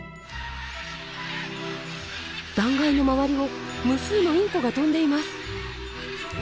断がいの周りを無数のインコが飛んでいます。